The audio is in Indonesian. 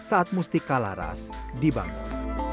saat musti kalaras dibangun